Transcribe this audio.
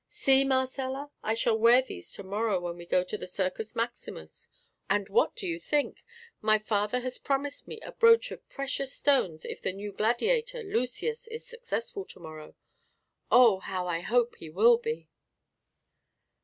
"See, Marcella! I shall wear these to morrow when we go to the Circus Maximus. And what do you think? My father has promised me a brooch of precious stones if the new gladiator, Lucius, is successful to morrow. Oh, how I hope he will be!"